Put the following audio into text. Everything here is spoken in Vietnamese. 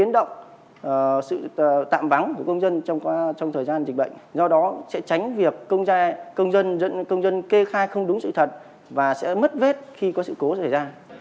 do đó sẽ tránh việc công dân kê khai không đúng sự thật và sẽ mất vết khi có sự cố xảy ra